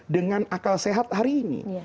dengan akal sehat hari ini